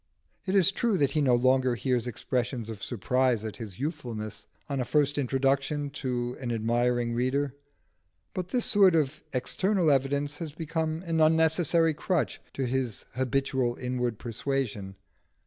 It is true that he no longer hears expressions of surprise at his youthfulness, on a first introduction to an admiring reader; but this sort of external evidence has become an unnecessary crutch to his habitual inward persuasion.